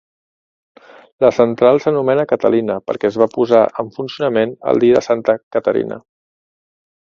La central s'anomena Catalina perquè es va posar en funcionament la diada de Santa Caterina.